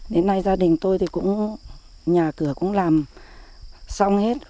đến nay gia đình tôi thì cũng nhà cửa cũng làm xong hết